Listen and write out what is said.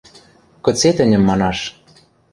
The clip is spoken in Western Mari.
Кыце тӹньӹм манаш?..